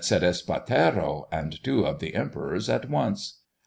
said Espartero and two of the emperors at once.